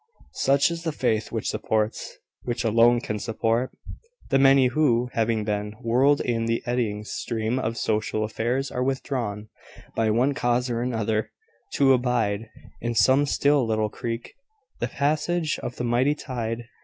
Such is the faith which supports, which alone can support, the many who, having been whirled in the eddying stream of social affairs, are withdrawn, by one cause or another, to abide, in some still little creek, the passage of the mighty tide.